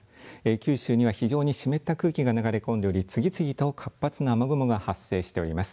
九州には非常に湿った空気が流れ込んでおり次々と活発な雨雲が発生しております。